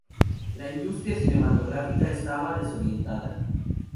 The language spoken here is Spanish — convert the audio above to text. La industria cinematográfica estaba desorientada.